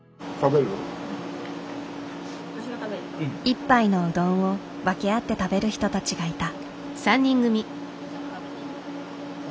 一杯のうどんを分け合って食べる人たちがいた。